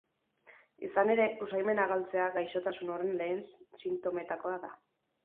Izan ere, usaimena galtzea gaixotasun horren lehen sintometakoa da.